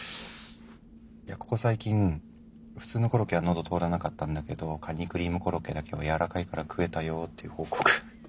いやここ最近普通のコロッケはのど通らなかったんだけどカニクリームコロッケだけはやわらかいから食えたよっていう報告。